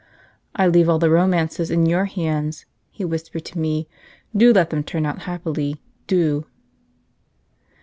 "I leave all the romances in your hands," he whispered to me; "do let them turn out happily, do!"